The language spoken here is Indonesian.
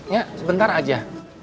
ya sebentar aja